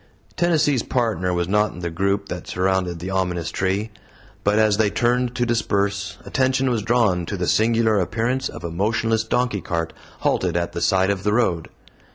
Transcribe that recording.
Tennessee's Partner was not in the group that surrounded the ominous tree. But as they turned to disperse attention was drawn to the singular appearance of a motionless donkey cart halted at the side of the road.